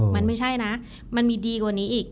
มันไม่ใช่นะมันมีดีกว่านี้อีก